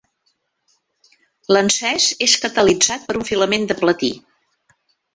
L'encès és catalitzat per un filament de platí.